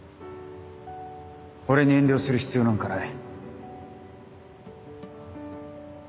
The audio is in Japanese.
俺に遠慮する必要なんかない。